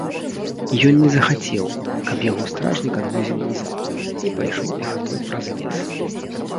Ён не захацеў, каб яго стражнік адвозіў назад, і пайшоў пехатой праз лес.